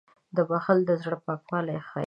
• بښل د زړه پاکوالی ښيي.